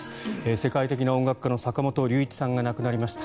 世界的な音楽家の坂本龍一さんが亡くなりました。